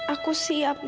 aku siapkan kamu